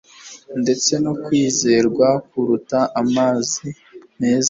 Ndetse no kwizerwa kuruta amazi meza